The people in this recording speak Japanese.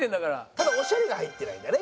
ただ「オシャレ」が入ってないんだね。